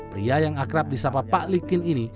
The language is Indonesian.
pria yang akrab di sapa pak likin ini